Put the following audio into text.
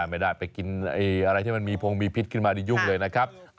ไม่ได้ไปกินอะไรที่มันมีพงมีพิษขึ้นมานี่ยุ่งเลยนะครับ